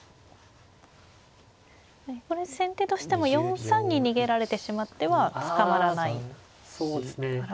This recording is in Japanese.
これ先手としても４三に逃げられてしまっては捕まらないから。